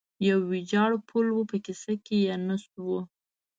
یو ویجاړ پل و، په کیسه کې یې نه شو.